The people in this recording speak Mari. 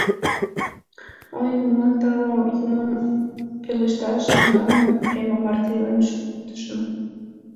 Ой, юмылан тау, юмым пелешташ тӱҥалме врема марте илен шуктышым.